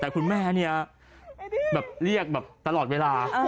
แต่คุณแม่เนี่ยแบบเรียกแบบตลอดเวลา